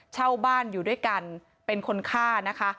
เช่าบ้านอยู่ด้วยกันเป็นคนฆ่านะคะ